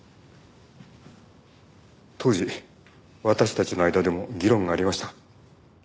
当時私たちの間でも議論がありました。